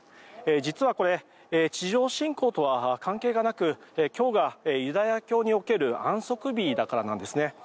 実はこれ地上侵攻とは関係がなく今日がユダヤ教における安息日だからなんですね。